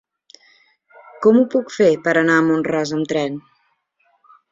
Com ho puc fer per anar a Mont-ras amb tren?